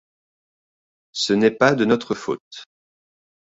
Ce n’est pas de notre faute.